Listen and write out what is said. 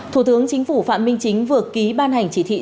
thủ tướng chính phủ phạm minh chính vừa ký ban hành chỉ thị